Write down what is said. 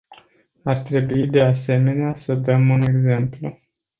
Ar trebui de asemenea să dăm un exemplu.